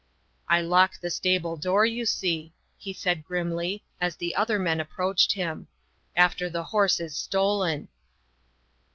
" I lock the stable door, you see," he said grimly as the other men approached him, " after the horse is stolen."